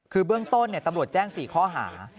คือเบื้องต้นเนี่ยตำรวจแจ้งสี่ข้อหา